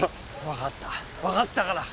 わかったわかったから。